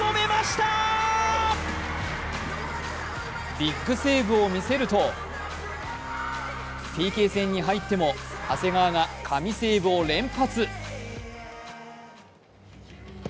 ビッグセーブを見せるとＰＫ戦に入っても長谷川が神セーブを連発。